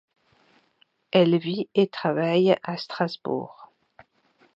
Elle vit et travaille à Strasbourg.